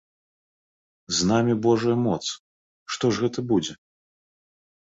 З намі божая моц, што ж гэта будзе?